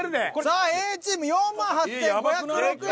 さあＡチーム４８，５０６円。